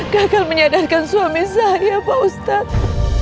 gagal menyadarkan suami saya pak ustadz